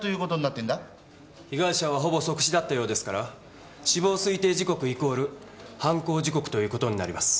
被害者はほぼ即死だったようですから死亡推定時刻イコール犯行時刻ということになります。